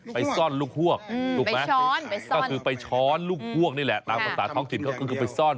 ไปซ่อนลูกฮวกไปช้อนไปซ่อนก็คือไปช้อนลูกฮวกนี่แหละตามตัดท้องจิตก็คือไปซ่อน